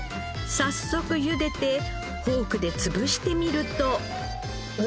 早速ゆでてフォークでつぶしてみると。